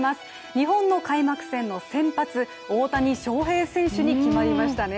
日本の開幕戦の先発、大谷翔平選手に決まりましたね。